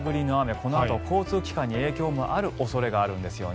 このあと、交通機関に影響のある恐れもあるんですよね。